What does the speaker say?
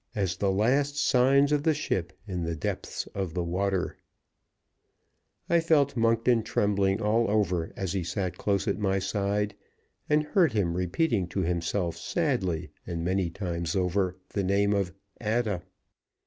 As the last signs of the ship in the depths of the waters. I felt Monkton trembling all over as he sat close at my side, and heard him repeating to himself, sadly, and many times over, the name of "Ada."